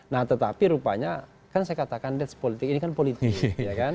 nah tetapi rupanya kan saya katakan that's politik ini kan politik